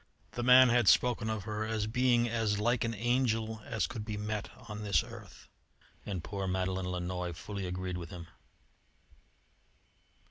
The man had spoken of her as being as like an angel as could be met on this earth, and poor Madeleine Lannoy fully agreed with him.